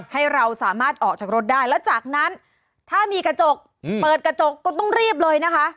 ให้เราสามารถออกจากรถได้แล้วจากนั้นถ้ามีกระจกเปิดกระจกก็ต้องรีบเลยนะคะ